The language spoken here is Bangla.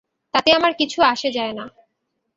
তাতে আমার কিছু আসে যায় না।